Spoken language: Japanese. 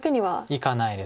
いかないです。